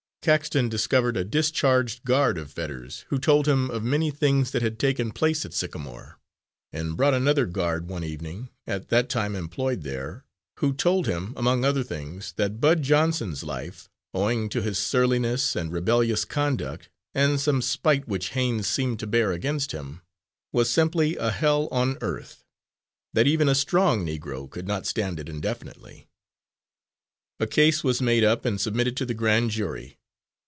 Caxton discovered a discharged guard of Fetters, who told him of many things that had taken place at Sycamore; and brought another guard one evening, at that time employed there, who told him, among other things, that Bud Johnson's life, owing to his surliness and rebellious conduct, and some spite which Haines seemed to bear against him, was simply a hell on earth that even a strong Negro could not stand it indefinitely. A case was made up and submitted to the grand jury.